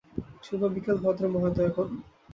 শুভ-বিকেল ভদ্রমহোদয় গণ।